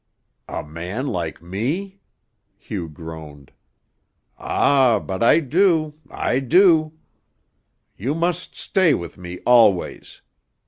"A man like me?" Hugh groaned. "Ah, but I do I do! You must stay with me always.